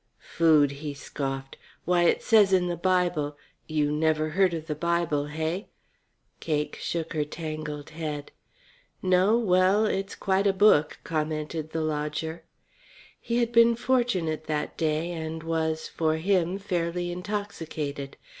"Food," he scoffed. "Why, it says in the Bible you never heard of the Bible, hey?" Cake shook her tangled head. "No? Well, it's quite a Book," commented the lodger. He had been fortunate that day and was, for him, fairly intoxicated.